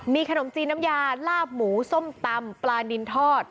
มีขนมจีนน้ำยาลาบหมูส้มตำปลานินทอด